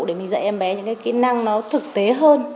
để mình dạy em bé những cái kỹ năng nó thực tế hơn